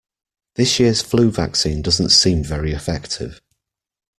This year's flu vaccine doesn't seem very effective